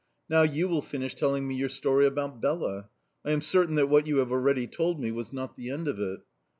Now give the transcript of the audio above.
"Now you will finish telling me your story about Bela. I am certain that what you have already told me was not the end of it."